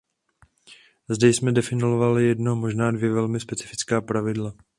Zde jsme definovali jedno, možná dvě velmi specifická pravidla.